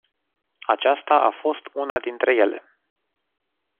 Aceasta a fost una dintre ele.